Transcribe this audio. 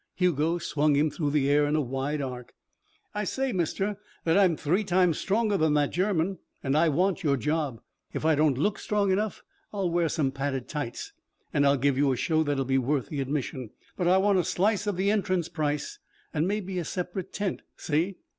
Hugo swung him through the air in a wide arc. "I say, mister, that I'm three times stronger than that German. And I want your job. If I don't look strong enough, I'll wear some padded tights. And I'll give you a show that'll be worth the admission. But I want a slice of the entrance price and maybe a separate tent, see?